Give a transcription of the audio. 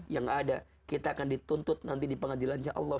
yang ada kita akan dituntut nanti di pengadilan insya allah